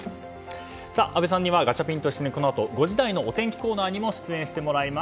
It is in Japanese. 阿部さんにはガチャピンと一緒に５時台のお天気コーナーにも出演してもらいます。